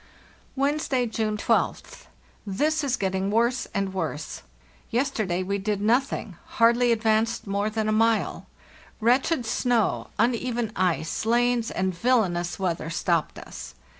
"Wednesday, June r2th. This is getting worse and worse. Yesterday we did nothing, hardly advanced more than a mile. Wretched snow, uneven ice, lanes, and villanous weather stopped us.